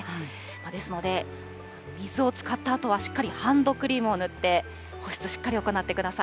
ですので、お水を使ったあとはしっかりハンドクリームを塗って、保湿しっかり行ってください。